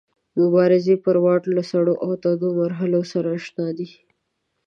مبارزې پر واټ له سړو او تودو مرحلو سره اشنا دی.